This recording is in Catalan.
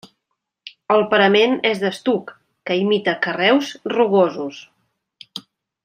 El parament és d'estuc que imita carreus rugosos.